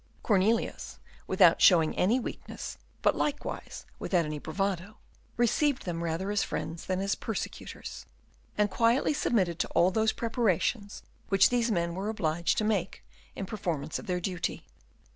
Cornelius, without showing any weakness, but likewise without any bravado, received them rather as friends than as persecutors, and quietly submitted to all those preparations which these men were obliged to make in performance of their duty.